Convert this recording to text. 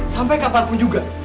sampai kapanpun juga